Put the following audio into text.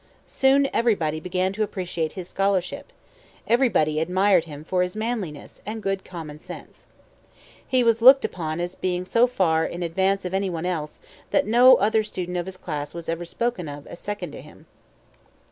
Soon everybody began to appreciate his scholarship. Everybody admired him for his manliness and good common sense. "He was looked upon as being so far in advance of any one else, that no other student of his class was ever spoken of as second to him."